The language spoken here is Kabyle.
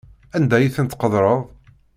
Anda ay ten-tqeddreḍ?